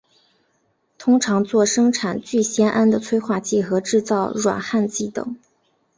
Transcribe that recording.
通常作生产聚酰胺的催化剂和制造软焊剂等。